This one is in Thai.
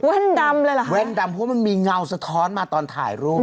ดำเลยเหรอคะแว่นดำเพราะมันมีเงาสะท้อนมาตอนถ่ายรูป